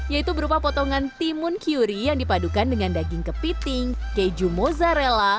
yaitu berupa potongan timun kiuri yang dipadukan dengan daging kepiting keju mozzarella